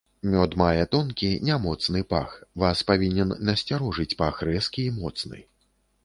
Мёд мае тонкі, нямоцны пах, вас павінен насцярожыць пах рэзкі і моцны.